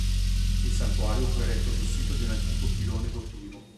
Il santuario fu eretto sul sito di un antico pilone votivo.